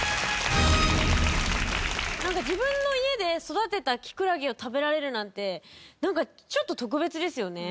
自分の家で育てたキクラゲを食べられるなんてなんかちょっと特別ですよね。